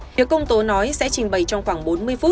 nếu công tố nói sẽ trình bày trong khoảng bốn mươi phút